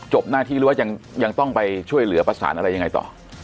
หน้าที่หรือว่ายังต้องไปช่วยเหลือประสานอะไรยังไงต่อ